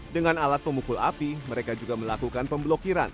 dengan alat pemukul api mereka juga melakukan pemblokiran